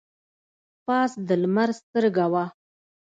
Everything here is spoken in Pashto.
پاس د لمر سترګه وه.